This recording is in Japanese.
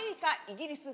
イギリス